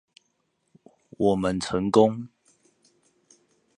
我們成功